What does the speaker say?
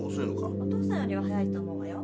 お父さんよりは早いと思うわよ。